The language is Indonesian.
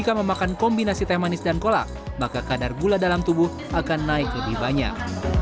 jika memakan kombinasi teh manis dan kolak maka kadar gula dalam tubuh akan naik lebih banyak